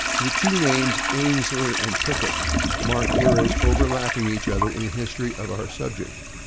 The two names Ainsley and Pickett mark eras, overlapping each other, in the history of our subject.